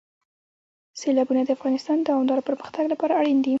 سیلابونه د افغانستان د دوامداره پرمختګ لپاره اړین دي.